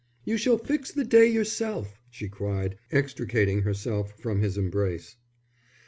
"You shall fix the day yourself," she cried, extricating herself from his embrace.